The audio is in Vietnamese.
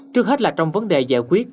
trước hết là trong vấn đề giải quyết